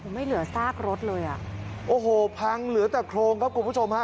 ไม่เหลือซากรถเลยอ่ะโอ้โหพังเหลือแต่โครงครับคุณผู้ชมฮะ